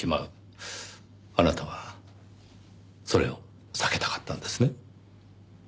あなたはそれを避けたかったんですね？